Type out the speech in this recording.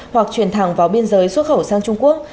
hoặc chuyển thẳng vào biên giới xuất khẩu sang trung quốc